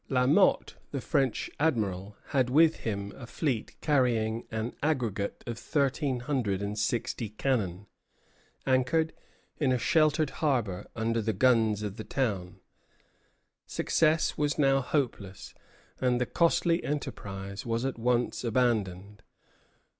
La Motte, the French admiral, had with him a fleet carrying an aggregate of thirteen hundred and sixty cannon, anchored in a sheltered harbor under the guns of the town. Success was now hopeless, and the costly enterprise was at once abandoned.